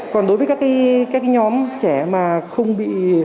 còn đối với các nhóm trẻ mà không bị